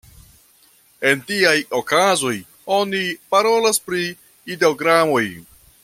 En tiaj okazoj oni parolas pri ideogramoj.